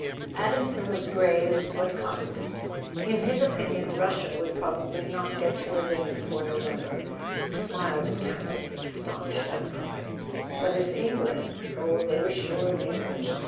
Adamson was grave but confident. In his opinion Russia would probably not get to Berlin before November (he smiled at Campton's astonished out¬ cry) ; but if England—oh, they were sure of England!